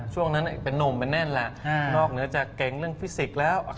ช่วงนั้นเป็นนุ่มเป็นแน่นแหละนอกเหนือจากเก่งเรื่องฟิสิกส์แล้ว